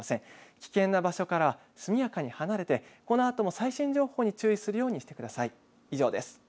危険な場所からは速やかに離れて、このあとも最新情報に注意するようにしてください。